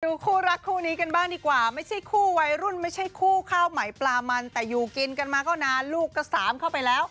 คู่รักคู่นี้กันบ้างดีกว่าไม่ใช่คู่วัยรุ่นไม่ใช่คู่ข้าวไหมปลามันแต่อยู่กินกันมาก็นานลูกก็สามเข้าไปแล้ว